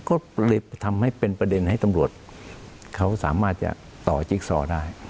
ก็เลยทำให้เป็นประเด็นให้ตำรวจเขาสามารถจะต่อจิ๊กซอได้